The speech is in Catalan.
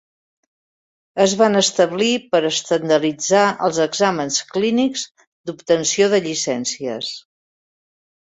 Es van establir per estandarditzar els exàmens clínics d'obtenció de llicències.